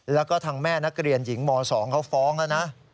แล้วก็ทางแม่นักเรียนหญิงม๒เขาฟ้องแล้วนะ